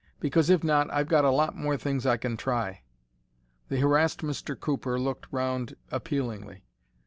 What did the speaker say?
Because if not I've got a lot more things I can try." The harassed Mr. Cooper looked around appealingly.